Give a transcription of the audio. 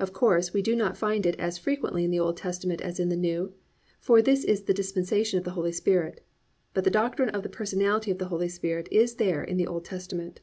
Of course, we do not find it as frequently in the Old Testament as in the New, for this is the dispensation of the Holy Spirit: but the doctrine of the Personality of the Holy Spirit is there in the Old Testament.